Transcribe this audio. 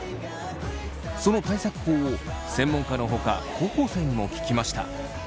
その対策法を専門家のほか高校生にも聞きました。